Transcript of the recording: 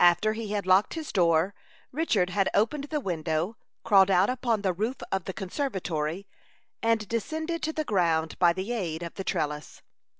After he had locked his door, Richard had opened the window, crawled out upon the roof of the conservatory, and descended to the ground by the aid of the trellis.